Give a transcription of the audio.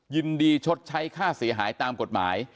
ชดใช้ค่าเสียหายตามกฎหมาย